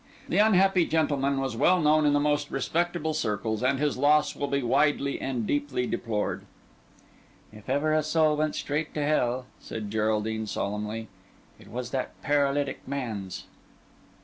The unhappy gentleman was well known in the most respectable circles, and his loss will be widely and deeply deplored." "If ever a soul went straight to Hell," said Geraldine solemnly, "it was that paralytic man's."